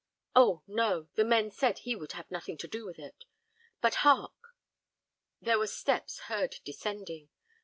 Oh, no! the men said he would have nought to do with it. But hark!" There were steps heard descending.